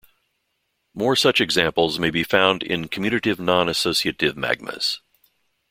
More such examples may be found in Commutative non-associative magmas.